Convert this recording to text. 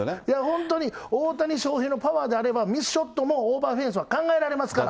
本当に、大谷翔平のパワーであれば、ミスショットも、オーバーフェンスは考えられますから。